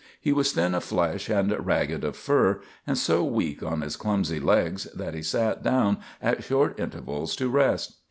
He was thin of flesh and ragged of fur, and so weak on his clumsy legs that he sat down at short intervals to rest.